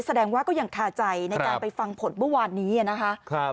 แสดงว่าก็ยังคาใจในการไปฟังผลเมื่อวานนี้นะคะ